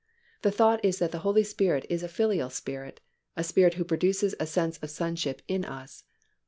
The thought is that the Holy Spirit is a filial Spirit, a Spirit who produces a sense of sonship in us.